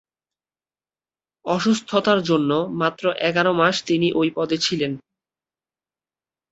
অসুস্থতার জন্য মাত্র এগারো মাস তিনি ওই পদে ছিলেন।